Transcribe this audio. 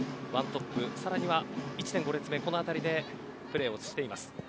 １トップさらには１．５例目、この辺りでプレーをしています。